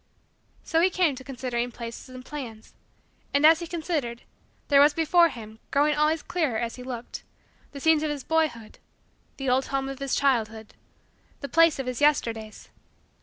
So he came to considering places and plans. And, as he considered, there was before him, growing always clearer as he looked, the scenes of his boyhood the old home of his childhood the place of his Yesterdays.